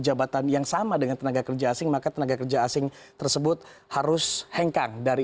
jabatan yang sama dengan tenaga kerja asing maka tenaga kerja asing tersebut harus hengkang dari